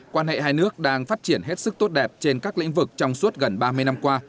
quan hệ hai nước đang phát triển hết sức tốt đẹp trên các lĩnh vực trong suốt gần ba mươi năm qua